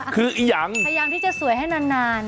พยายามที่จะสวยให้นาน